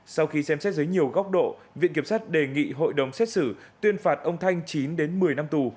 sau khi xem xét dưới nhiều góc độ viện kiểm sát đề nghị hội đồng xét xử tuyên phạt ông thanh chín đến một mươi năm tù